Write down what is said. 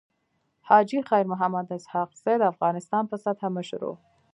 حاجي خير محمد اسحق زی د افغانستان په سطحه مشر وو.